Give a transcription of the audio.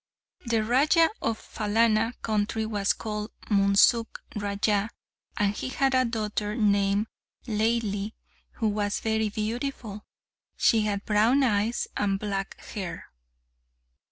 The Raja of the Phalana country was called Munsuk Raja, and he had a daughter named Laili, who was very beautiful; she had brown eyes and black hair.